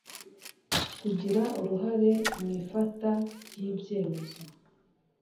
kugira uruhare mu ifata ry ibyemezo